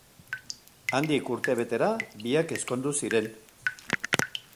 Handik urte betera biak ezkondu ziren.